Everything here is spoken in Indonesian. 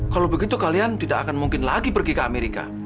kalau begitu kalian tidak akan mungkin lagi pergi ke amerika